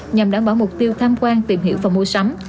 nhằm đảm bảo mục tiêu tham quan tìm hiểu và mua sắm